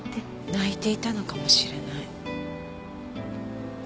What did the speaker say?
泣いていたのかもしれない。